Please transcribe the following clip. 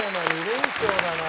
２連勝だな。